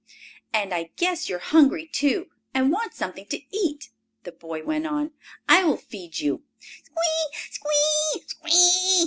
"And I guess you are hungry, too, and want something to eat," the boy went on. "I will feed you!" "Squee! Squee! Squee!"